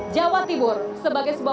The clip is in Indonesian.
jawa tibur sebagai sebuah